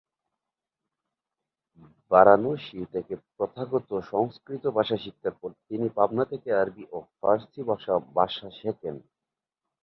বারাণসী থেকে প্রথাগত সংস্কৃত ভাষা শিক্ষার পর তিনি পাটনা থেকে আরবি ও ফারসি ভাষা ভাষা শেখেন।